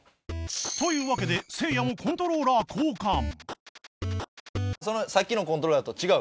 というわけでせいやもさっきのコントローラーと違う？